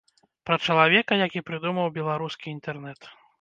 Пра чалавека, які прыдумаў беларускі інтэрнэт.